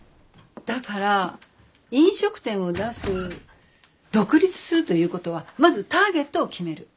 だから飲食店を出す独立するということはまずターゲットを決める。